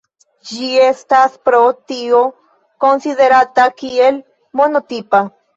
Ĝi estas pro tio konsiderata kiel monotipa.